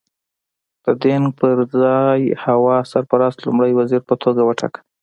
د دینګ پر ځای هوا سرپرست لومړی وزیر په توګه وټاکه.